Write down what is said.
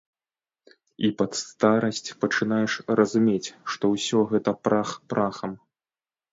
І пад старасць пачынаеш разумець, што ўсё гэта прах прахам.